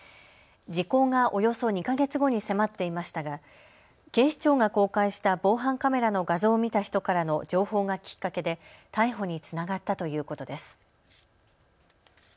時効がおよそ２か月後に迫っていましたが警視庁が公開した防犯カメラの画像を見た人からの情報がきっかけで逮捕につながったということです。